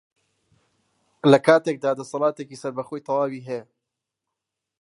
لەکاتێکدا دەسەڵاتێکی سەربەخۆی تەواوی هەیە